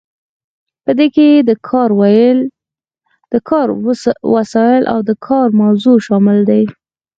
په دې کې د کار وسایل او د کار موضوع شامل دي.